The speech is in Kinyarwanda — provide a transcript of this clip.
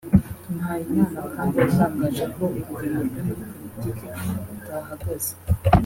Mpayimana kandi yatangaje ko urugendo rwe muri Politike rutahagaze